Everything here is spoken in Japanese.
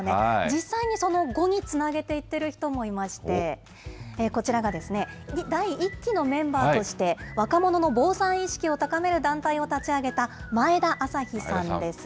実際にその後につなげていっている人もいまして、こちらが第１期のメンバーとして、若者の防災意識を高める団体を立ち上げた前田朝陽さんです。